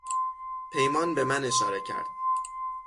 پیمان به من اشاره کرد.